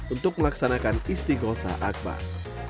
untuk melaksanakan istighosa akbar